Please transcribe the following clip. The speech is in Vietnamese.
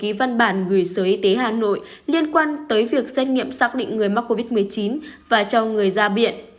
bộ y tế đã đặt một ký văn bản gửi sở y tế hà nội liên quan tới việc xét nghiệm xác định người mắc covid một mươi chín và cho người gia viện